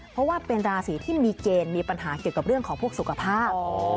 เพราะว่าเป็นราศีที่มีเกณฑ์มีปัญหาเกี่ยวกับเรื่องของพวกสุขภาพ